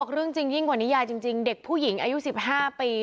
เรื่องจริงยิ่งกว่านิยายจริงเด็กผู้หญิงอายุ๑๕ปี